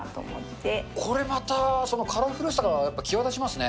これまたカラフルさがやっぱり際立ちますね。